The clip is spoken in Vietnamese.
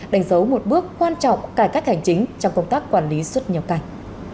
đánh dấu một bước quan trọng cải cách hành chính trong công tác quản lý xuất nhập cảnh